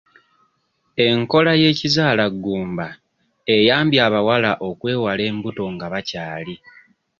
Enkola y'ekizaala ggumba eyambye abawala okwewala embuto nga bakyaali.